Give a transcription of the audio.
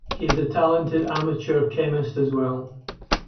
He is a talented amateur chemist as well.